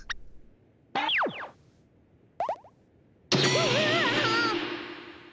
うわ！